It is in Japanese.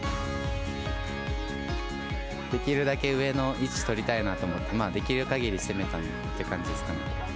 できるだけ上の位置取りたいなと思って、できるかぎり攻めたって感じですかね。